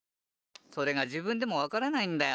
それがじぶんでもわからないんだよ。